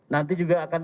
nanti juga akan